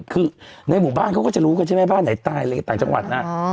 คือในหมู่บ้านเขาก็จะรู้กันใช่ไหมบ้านไหนตายอะไรต่างจังหวัดนะ